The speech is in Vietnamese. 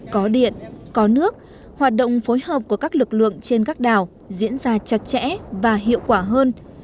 có điện có nước hoạt động phối hợp của các lực lượng trên các đảo diễn ra chặt chẽ và hiệu quả hơn